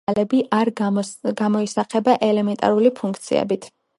აბელის ინტეგრალები არ გამოისახება ელემენტარული ფუნქციებით.